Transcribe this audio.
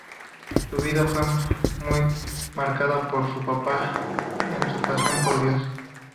Su vida fue muy marcada por su papá en su pasión por Dios.